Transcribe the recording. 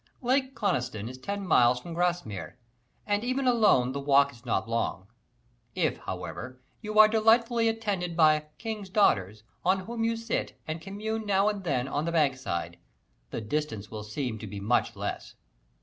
Lake Coniston is ten miles from Grasmere, and even alone the walk is not long. If, however, you are delightfully attended by "King's Daughters" with whom you sit and commune now and then on the bankside, the distance will seem to be much less.